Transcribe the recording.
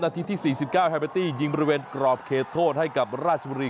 ทีที่๔๙แฮเบอร์ตี้ยิงบริเวณกรอบเขตโทษให้กับราชบุรี